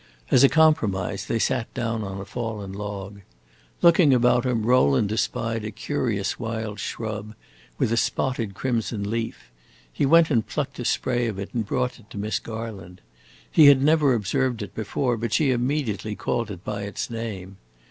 As a compromise, they sat down on a fallen log. Looking about him, Rowland espied a curious wild shrub, with a spotted crimson leaf; he went and plucked a spray of it and brought it to Miss Garland. He had never observed it before, but she immediately called it by its name.